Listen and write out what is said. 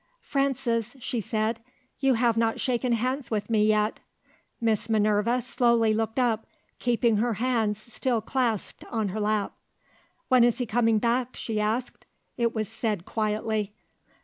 "Frances," she said, "you have not shaken hands with me yet." Miss Minerva slowly looked up, keeping her hands still clasped on her lap. "When is he coming back?" she asked. It was said quietly.